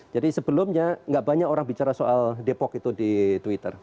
jadi sebelumnya nggak banyak orang bicara soal depok itu di twitter